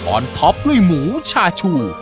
อนท็อปด้วยหมูชาชู